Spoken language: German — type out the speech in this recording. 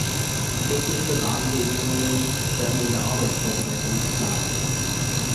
Technische Rahmenbedingungen werden in der Arbeitsvorbereitung geplant.